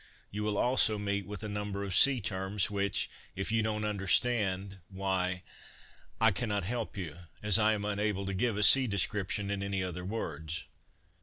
You will also meet with a number of sea terms, which, if you don't understand, why, I cannot help you, as I am unable to give a sea description in any other words.